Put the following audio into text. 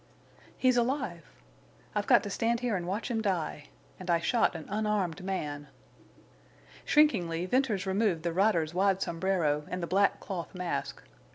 "He's alive!... I've got to stand here and watch him die. And I shot an unarmed man." Shrinkingly Venters removed the rider's wide sombrero and the black cloth mask.